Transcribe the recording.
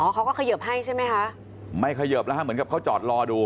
อ๋อเขาก็ขยบให้ใช่ไหมฮะไม่ขยบนะฮะเหมือนกับเขาจอดรอดู